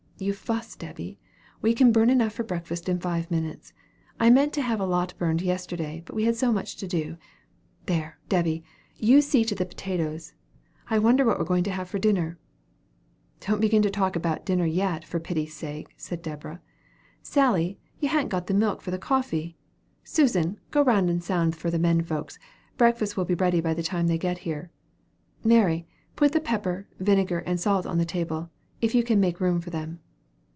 "You fuss, Debby. We can burn enough for breakfast in five minutes. I meant to have had a lot burned yesterday; but we had so much to do. There, Debby, you see to the potatoes. I wonder what we are going to have for dinner." "Don't begin to talk about dinner yet, for pity's sake," said Deborah. "Sally, you ha'nt got the milk for the coffee. Susan, go and sound for the men folks: breakfast will be ready by the time they get here. Mary, put the pepper, vinegar, and salt on the table, if you can make room for them."